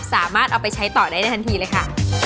สามารถเอาไปใช้ต่อได้ได้ทันทีเลยค่ะ